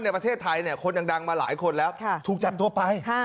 ในประเทศไทยคนดังมาหลายคนแล้วถูกจับตัวไป